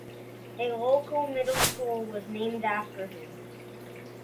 A local middle school was named after him.